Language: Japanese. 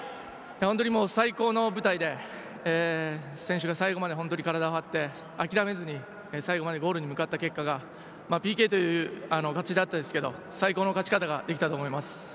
最高の舞台で選手が最後まで体を張って、諦めずにゴールに向かった結果が、ＰＫという勝ちだったんですけれど、最高の勝ち方ができたと思います。